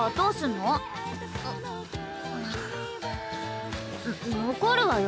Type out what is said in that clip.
の残るわよ